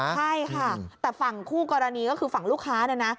ใช่ค่ะแต่ฝั่งคู่กรณีก็คือฝั่งลูกค้าเนี่ยนะ